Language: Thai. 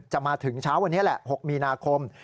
มาถึงเช้าวันนี้แหละ๖มีนาคม